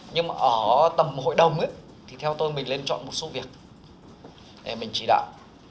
nhưng mà ở tầm hội đồng thì theo tôi mình lên chọn một số việc để mình chỉ đạo